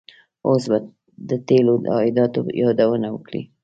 اوس به د تیلو د عایداتو یادونه وکړي.